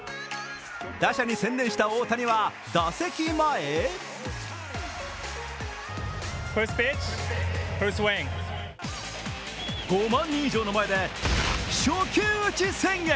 打者に専念した大谷は、打席前５万人以上の前で初球打ち宣言。